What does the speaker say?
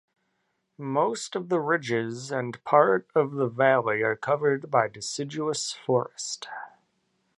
Most of the ridges and part of the valley are covered by deciduous forest.